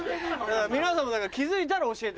皆さんもだから気付いたら教えて。